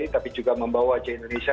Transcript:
tapi juga membawa indonesia